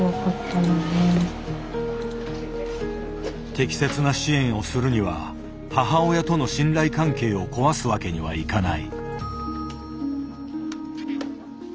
適切な支援をするには母親との信頼関係を壊すわけにはいかない。